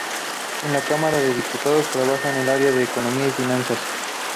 En la cámara de diputados trabajó en el área de economía y finanzas.